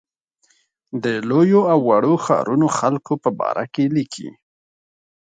د لویو او وړو ښارونو خلکو په باره کې لیکي.